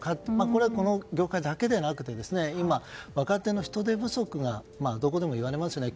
これは、この業界だけじゃなくて今、若手の人手不足がどこでも言われますよね。